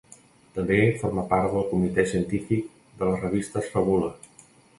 També forma part del comitè científic de les revistes Fabula.